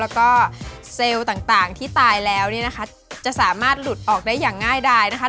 แล้วก็เซลล์ต่างที่ตายแล้วเนี่ยนะคะจะสามารถหลุดออกได้อย่างง่ายดายนะคะ